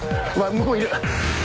向こういる。